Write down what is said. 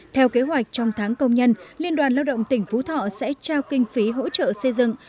theo kế hoạch trong tháng công nhân liên đoàn lao động tỉnh phú thọ sẽ trao kinh phí hỗ trợ xây dựng